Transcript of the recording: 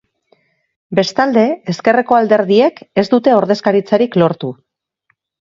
Bestalde, ezkerreko alderdiek ez dute ordezkaritzarik lortu.